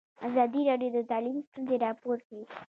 ازادي راډیو د تعلیم ستونزې راپور کړي.